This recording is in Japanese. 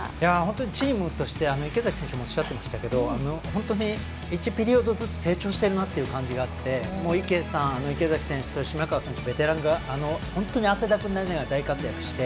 チームとして、池崎選手もおっしゃっていましたが本当に１ピリオドずつ成長しているなって感じがあって池さん、池崎選手、島川さんベテランが本当に汗だくになりながら大活躍して。